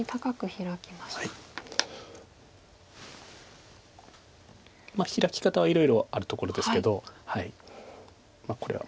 ヒラキ方はいろいろあるところですけどまあこれは。